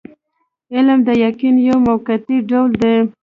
علم د یقین یو موقتي ډول دی.